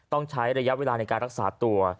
ต้องใช้ระยะเวลาในการรักษาตัว